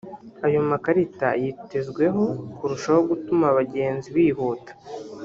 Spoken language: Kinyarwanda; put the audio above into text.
Ayo makarita yitezweho kurushaho gutuma abagenzi bihuta